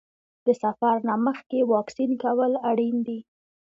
د سفر نه مخکې واکسین کول اړین دي.